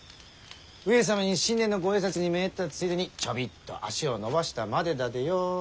上様に新年のご挨拶に参ったついでにちょびっと足をのばしたまでだでよ。